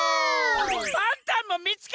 パンタンもみつけてよ！